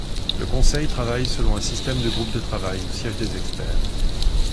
Le Conseil travaille selon un système de groupes de travail où siègent des experts.